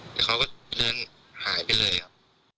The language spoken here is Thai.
แต่เขาก็เดินหายไปเลยครับ